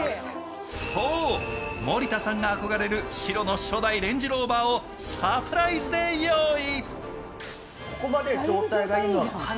そう、森田さんが憧れる白の初代レンジローバーをサプライズで用意。